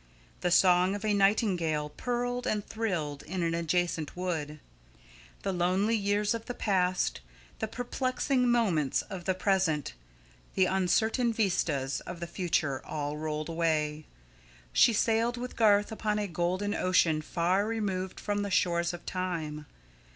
The song of a nightingale purled and thrilled in an adjacent wood. The lonely years of the past, the perplexing moments of the present, the uncertain vistas of the future, all rolled away. She sailed with Garth upon a golden ocean far removed from the shores of time.